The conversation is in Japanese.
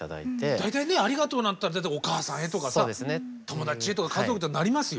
大体ねありがとうなんて言ったらお母さんへとかさ友達へとか家族へとかなりますよ。